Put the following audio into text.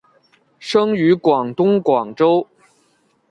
生于广东广州。